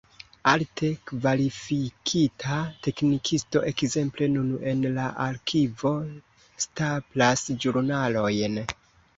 Alte kvalifikita teknikisto ekzemple nun en la arkivo staplas ĵurnalojn.